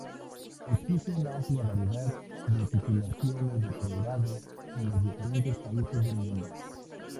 Existe una amplia variedad de titulaciones de pregrado en los diferentes países del mundo.